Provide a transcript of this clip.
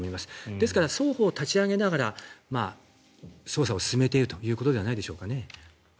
ですから双方、立ち上げながら捜査を進めているということではないでしょうかね。